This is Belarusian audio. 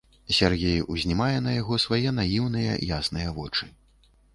Сяргей узнімае на яго свае наіўныя, ясныя вочы.